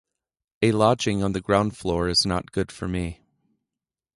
A lodging on the ground floor is not good for me.